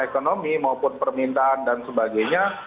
ekonomi maupun permintaan dan sebagainya